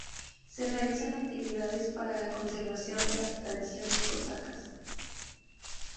Se realizan actividades para la conservación de las tradiciones cosacas.